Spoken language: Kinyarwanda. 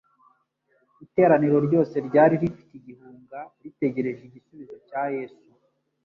Iteraniro ryose ryari rifite igihunga ritegereje igisubizo cya Yesu.